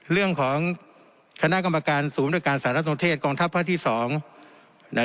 เรื่องของคณะกรรมการสูมิตรการศาสนเทศกองทัพภาคที่สองน่ะ